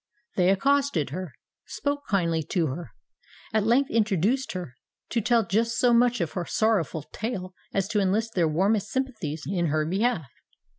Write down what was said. They accosted her—spoke kindly to her—and at length induced her to tell just so much of her sorrowful tale as to enlist their warmest sympathies in her behalf.